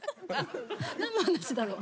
何の話だろ？